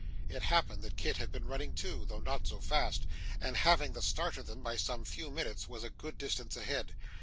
It happened that Kit had been running too, though not so fast, and having the start of them by some few minutes, was a good distance ahead.